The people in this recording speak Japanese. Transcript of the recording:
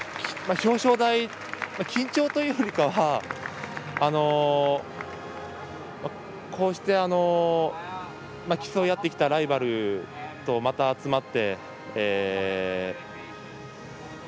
表彰台、緊張というよりかはこうして競い合ってきたライバルとまた集まって。